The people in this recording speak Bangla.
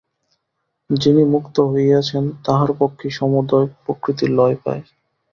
যিনি মুক্ত হইয়াছেন, তাঁহার পক্ষেই সমুদয় প্রকৃতি লয় পায়।